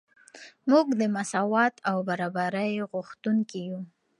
موږ د مساوات او برابرۍ غوښتونکي یو.